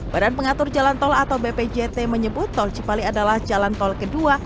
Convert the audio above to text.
badan pengatur jalan tol atau bpjt menyebut tol cipali adalah jalan tol kedua